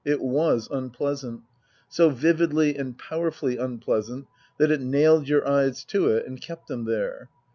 It was unpleasant. So vividly and powerfully unpleasant that it nailed your eyes to it and kept them there.